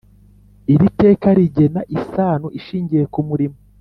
Iri teka rigena isano ishingiye ku murimo